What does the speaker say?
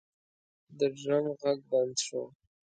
د ډرم غږ بند شو.